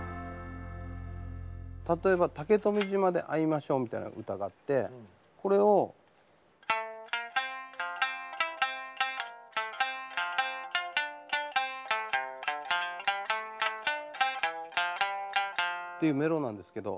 例えば「竹富島で会いましょう」みたいな歌があってこれを。っていうメロなんですけど。